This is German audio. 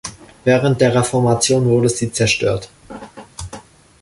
Während der Reformation wurden sie zerstört.